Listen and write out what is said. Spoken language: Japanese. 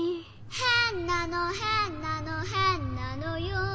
「へんなのへんなのへんなのよ」